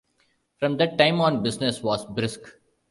From that time on business was brisk.